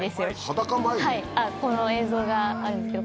映像があるんですけど。